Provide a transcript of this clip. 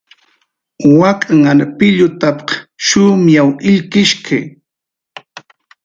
Wak'nhan shumyaw pillutaq illki